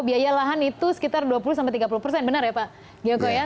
biaya lahan itu sekitar dua puluh tiga puluh persen benar ya pak gyoko ya